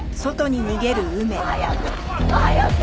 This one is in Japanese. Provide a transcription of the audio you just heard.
早く！早く！